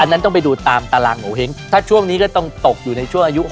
นั้นต้องไปดูตามตารางโงเห้งถ้าช่วงนี้ก็ต้องตกอยู่ในช่วงอายุ๖๐